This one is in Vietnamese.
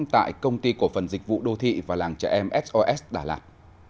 tại công ty cổ phần dịch vụ đô thị và làng trẻ em sos đà lạt